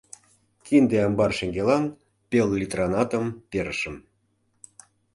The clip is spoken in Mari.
Кинде амбар шеҥгелан пел литран атым перышым.